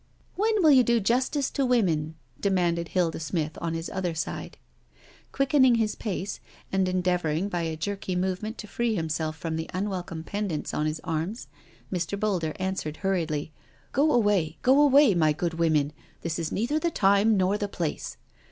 "When will you do justice to women?" demanded Hilda Smith on his other side. Quickening his pace, and endeavouring by a jerky IN MIDDLEHAM CHURCH 203 movement to free himself from the unwelcome pendants on his armsy Mr. Boulder answered hurriedly: " Go away, go away, my good women, this is neither the time nor the place.